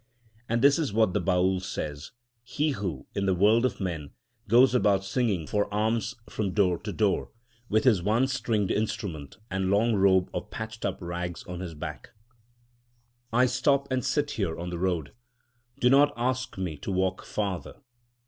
And this is what the Baül says—he who, in the world of men, goes about singing for alms from door to door, with his one stringed instrument and long robe of patched up rags on his back: I stop and sit here on the road. Do not ask me to walk farther.